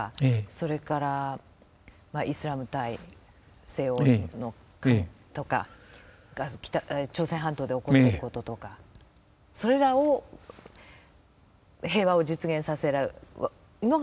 それからイスラム対西欧とか朝鮮半島で起こってることとかそれらを平和を実現させるのが「新しい人」。